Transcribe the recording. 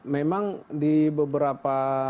memang di beberapa